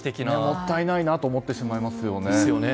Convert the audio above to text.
もったいないなと思ってしまいますね。